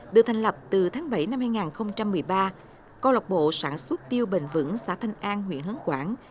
được thành lập từ tháng bảy năm hai nghìn một mươi ba công lộc bộ sản xuất tiêu bình vững xã thanh an huyện hấn quảng